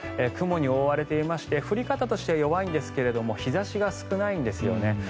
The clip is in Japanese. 雲に覆われていまして降り方としては弱いんですが日差しが少ないんですよね。